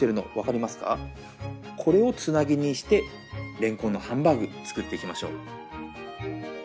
これをつなぎにしてれんこんのハンバーグ作っていきましょう。